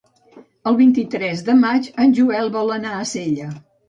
El vint-i-tres de maig en Joel vol anar a Sella.